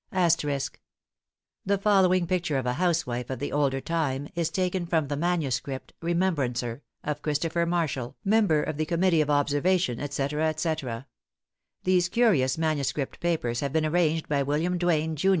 The following picture of a housewife of the older time is taken from the MS. "Remembrancer" of Christopher Marshall, Member of the Committee of Observation, &c., &c. These curious, manuscript papers have been arranged by William Duane, jun.